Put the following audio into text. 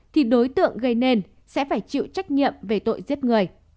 thì đối tượng gây nên sẽ phải chịu trách nhiệm về tội giết người